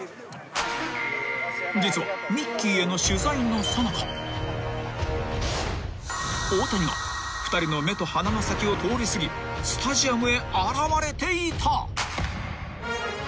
［実はミッキーへの取材のさなか大谷が２人の目と鼻の先を通り過ぎスタジアムへ現れていた］